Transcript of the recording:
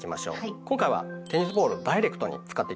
今回はテニスボールをダイレクトに使っていきますよ。